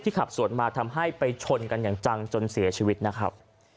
ขับสวนมาทำให้ไปชนกันอย่างจังจนเสียชีวิตนะครับ